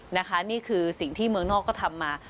นะคะนี่คือสิ่งที่เมืองนอกก็ทำมา